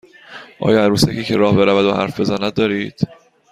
آیا عروسکی که راه برود و حرف بزند دارید؟